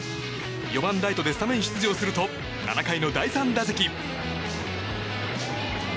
４番ライトでスタメン出場すると７回の第３打席。